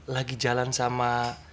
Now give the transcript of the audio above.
lagi jalan sama